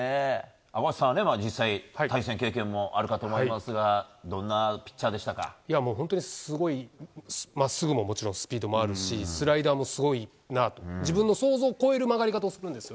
赤星さんは実際、対戦経験もあるかとは思いますが本当に、まっすぐももちろんスピードがあるしスライダーもすごいなと自分の想像を超える曲がり方をするんですよ。